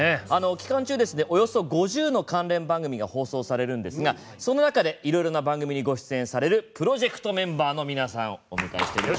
期間中、およそ５０の関連番組が放送されるんですがその中で、いろいろな番組にご出演されるプロジェクトメンバーの皆さんをお迎えしております。